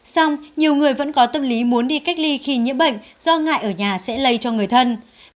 xong nhiều người vẫn có tâm lý muốn đi cách ly khi nhiễm bệnh do ngại ở nhà sẽ lây cho người thân